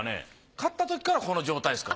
買ったときからこの状態ですか？